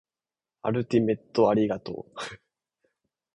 アルティメットありがとう